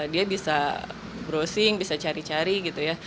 dia bisa browsing bisa cari cari gitu ya